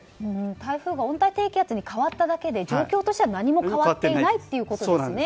台風が温帯低気圧に変わっただけで状況としては何も変わっていないということですね。